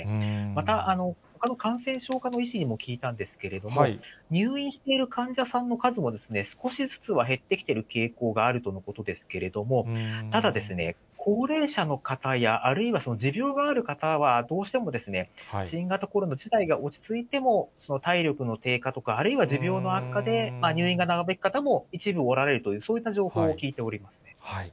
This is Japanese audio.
また、ほかの感染症科の医師にも聞いたんですけれども、入院している患者さんの数も、少しずつは減ってきている傾向があるとのことですけれども、ただ、高齢者の方や、あるいは持病がある方は、どうしても新型コロナ自体が落ち着いても、体力の低下とかあるいは持病の悪化で入院が長引く方も、一部おられるという、そういった情報を聞いております。